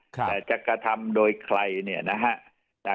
แต่จะกระทำโดยใครเนี่ยนะฮะ